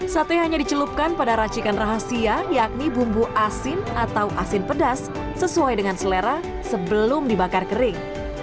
sate hanya dicelupkan pada racikan rahasia yakni bumbu asin atau asin pedas sesuai dengan selera sebelum dibakar kering